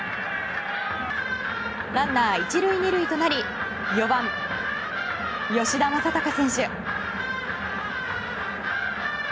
ランナー１塁２塁となり４番、吉田正尚選手。